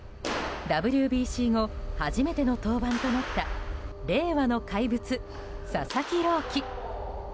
ＷＢＣ後初めての登板となった令和の怪物、佐々木朗希。